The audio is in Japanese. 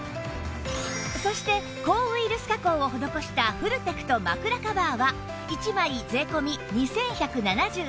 そして抗ウイルス加工を施したフルテクト枕カバーは１枚税込２１７８円